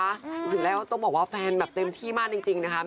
เห็นแล้วต้องบอกว่าแฟนแบบเต็มที่มากจริงนะคะ